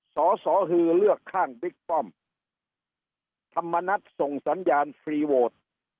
สอสอฮือเลือกข้างบิ๊กป้อมธรรมนัฐส่งสัญญาณฟรีโวท